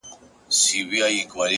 هره تجربه د حکمت یوه ټوټه ده,